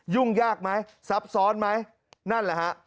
ยุ่งยากไหมซับซ้อนไหมนั่นแหละฮะ